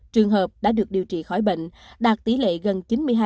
trường hợp đã được điều trị khỏi bệnh đạt tỷ lệ gần chín mươi hai